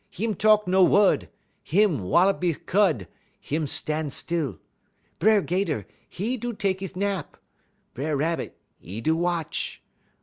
Him talk no wud; him wallup 'e cud; him stan' still. B'er 'Gater, 'e do tek 'e nap; B'er Rabbit 'e do watch.